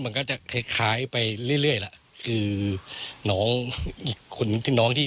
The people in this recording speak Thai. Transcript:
มันก็จะคล้ายคล้ายไปเรื่อยละคือน้องที่ไป